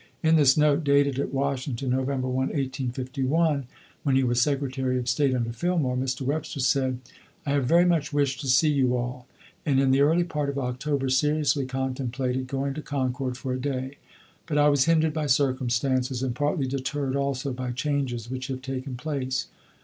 In this note, dated at Washington, November 1, 1851, when he was Secretary of State under Fillmore, Mr. Webster said: "I have very much wished to see you all, and in the early part of October seriously contemplated going to Concord for a day. But I was hindered by circumstances, and partly deterred also by changes which have taken place.